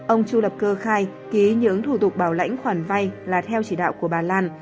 ông chu lập cơ khai ký những thủ tục bảo lãnh khoản vay là theo chỉ đạo của bà lan